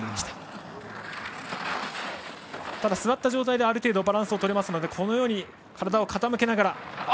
ただ座った上体である程度バランスを取れるのでこのように体を傾けながら。